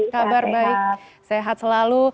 kabar baik sehat selalu